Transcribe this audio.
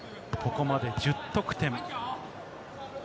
ここまで１０得点。